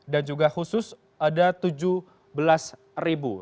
dan juga khusus ada rp tujuh belas